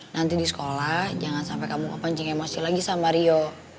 nanti di sekolah jangan sampai kamu kepancing emosi lagi sama rio